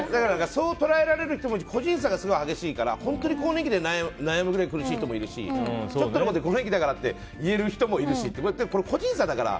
そう捉えられる人もいれば個人差がすごい激しいから本当に更年期で悩んで苦しい人もいるし更年期だからって言える人もいるし、個人差だから。